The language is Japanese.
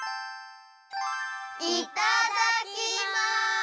いただきます。